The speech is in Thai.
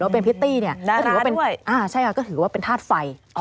พี่ตี้ก็ถือเป็นทาสไฟ